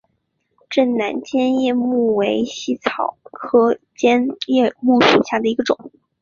滇南尖叶木为茜草科尖叶木属下的一个种。